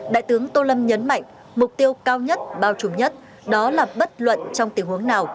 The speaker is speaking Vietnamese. đại tướng tô lâm nhấn mạnh mục tiêu cao nhất bao trùm nhất đó là bất luận trong tình huống nào